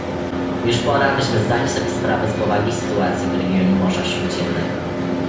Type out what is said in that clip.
Już pora, byśmy zdali sobie sprawę z powagi sytuacji w regionie Morza Śródziemnego